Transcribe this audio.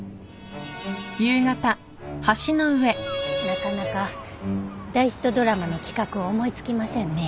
なかなか大ヒットドラマの企画を思い付きませんね。